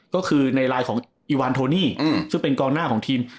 ก็คือในไลน์ของอีวานโทนี่ซึ่งเป็นกองหน้าของทีม